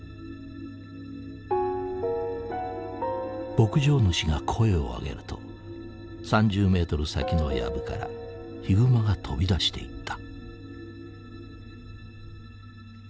牧場主が声を上げると３０メートル先のヤブからヒグマが飛び出していった。